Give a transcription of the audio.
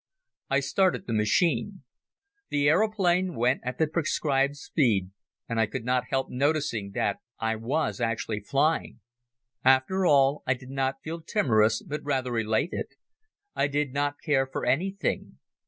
I started the machine. The aeroplane went at the prescribed speed and I could not help noticing that I was actually flying. After all I did not feel timorous but rather elated. I did not care for anything.